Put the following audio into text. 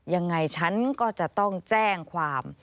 ยังไงฉันก็จะต้องแจ้งความ